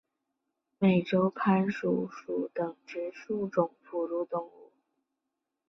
美洲攀鼠属等之数种哺乳动物。